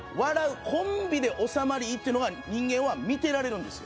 コンビで収まりいいっていうのは人間は見てられるんですよ。